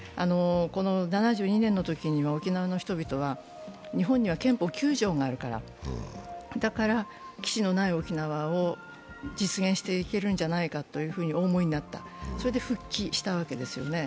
７２年のときに沖縄の人々は、日本には憲法９条があるからだから基地のない沖縄を実現していけるんじゃないかとお思いになった、それで復帰したわけですよね。